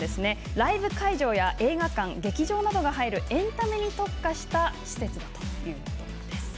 ライブ会場や映画館、劇場などが入る、エンタメに特化した施設ということなんです。